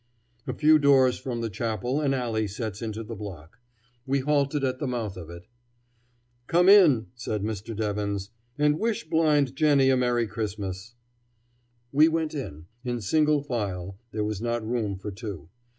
A few doors from the chapel an alley sets into the block. We halted at the mouth of it. "Come in," said Mr. Devins, "and wish Blind Jennie a Merry Christmas." We went in, in single file; there was not room for two.